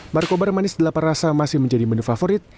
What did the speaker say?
markobar manis delapan rasa masih menjadi menu favorit